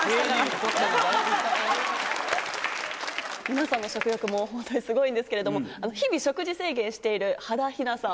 皆さんの食欲も本当にすごいんですけれども、日々、食事制限している波田妃奈さん。